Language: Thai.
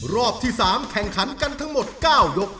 รอบที่๓แข่งขันกันทั้งหมด๙ยก